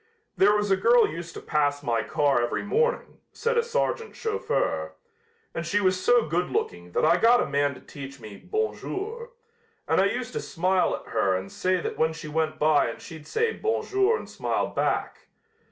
"There was a girl used to pass my car every morning," said a sergeant chauffeur, "and she was so good looking that I got a man to teach me 'bon jour,' and I used to smile at her and say that when she went by and she'd say 'bon jour' and smile back.